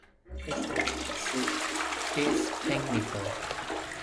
Its county seat is Pinckneyville.